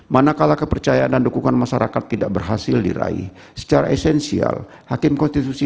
manakala kepercayaan dan dukungan masyarakat tidak berhasil diraih secara esensial hakim konstitusi